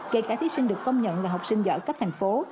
kể cả thí sinh được công nhận là học sinh giỏi cấp thành phố